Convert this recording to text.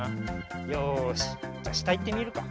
よしじゃしたいってみるか。